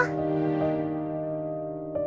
ya gucken itu